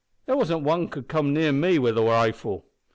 There wasn't wan could come near me wi' the rifle.